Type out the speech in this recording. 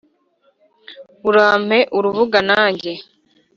urampe urubuga nanjye